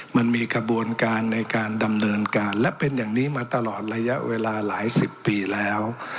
มันมีกระบวนการในการดำเนินการและเป็นอย่างนี้มาตลอดระยะเวลาหลายสิบปีแล้ว